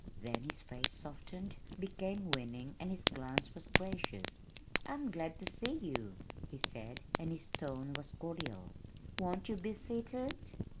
Then his face softened, became winning and his glance was gracious. "I'm glad to see you," he said, and his tone was cordial. "Won't you be seated?"